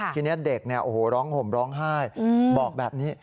ทีนี้เด็กเนี่ยโอ้โหร้องห่มร้องไห้บอกแบบนี้